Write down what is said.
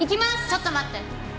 ちょっと待って！